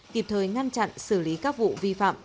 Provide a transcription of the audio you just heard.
kịp thời ngăn chặn xử lý các vụ vi phạm